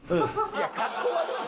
いやかっこ悪いよ。